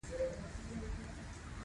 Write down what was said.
خپل ذهن ته وده ورکړئ.